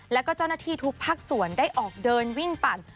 แล้วก็เจ้าหน้าที่ทุกภาคส่วนได้ออกเดินวิ่งปั่น